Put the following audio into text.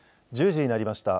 １０時になりました。